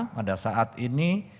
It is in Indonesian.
pada saat ini